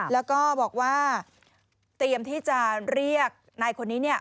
แล้วก็บอกว่าเตรียมที่จะเรียกนายคนนี้